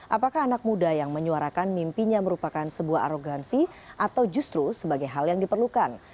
apakah anak muda yang menyuarakan mimpinya merupakan sebuah arogansi atau justru sebagai hal yang diperlukan